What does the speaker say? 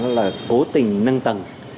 đó là cố tình nâng tầng